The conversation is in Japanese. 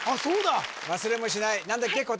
そうだ忘れもしない何だっけ？